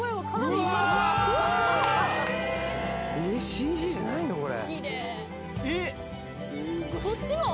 ＣＧじゃないのこれ？